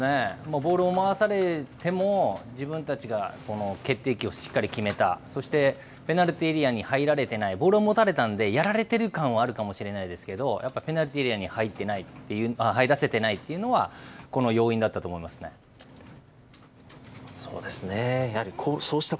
ボールを回されても自分たちが決定機をしっかり決めた、そしてペナルティーエリアに入られていない、ボールを持たれたんでやられてる感はあるかもしれないですけど、やっぱりペナルティーエリアに入らせてないというのは、この要因だったと思いますね。